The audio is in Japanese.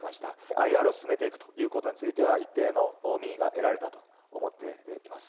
ＩＲを進めていくということについては、一定の民意が得られたと思っています。